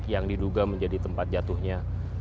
yang diduga menjadi tempat jatuhnya